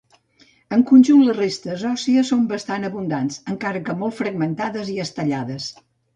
En conjunt, les restes òssies són bastant abundants, encara que molt fragmentades i estellades.